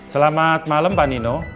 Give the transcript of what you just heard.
selamat malam pak nino